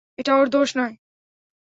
এটা ওর দোষ নয়।